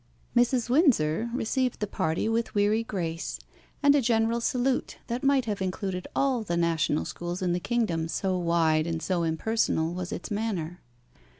Mrs. Windsor received the party with weary grace, and a general salute that might have included all the national schools in the kingdom, so wide and so impersonal was its manner.